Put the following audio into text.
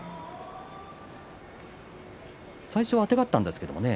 最初はあてがったんですけれどもね。